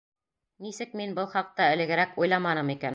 Нисек мин был хаҡта элегерәк уйламаным икән?